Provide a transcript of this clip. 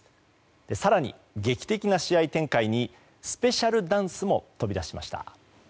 更に、劇的な試合展開にスペシャルダンスも飛び出しました。